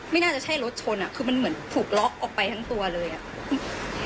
ไม่น่าจะใช่รถชนอ่ะคือมันเหมือนถูกล็อกออกไปทั้งตัวเลยอ่ะ